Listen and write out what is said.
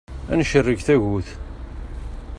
Ad ncerreg tagut.